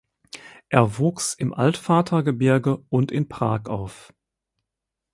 Er wuchs im Altvatergebirge und in Prag auf.